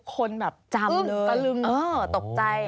คนแบบอึ้มตะลึงตกใจ